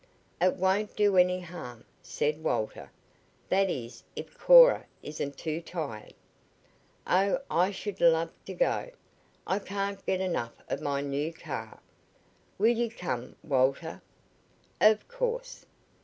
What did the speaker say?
"It won't do any harm," said Walter. "That is, if Cora isn't too tired." "Oh, I should love to go. I can't get enough of my new car. Will you come, Walter?" "Of course."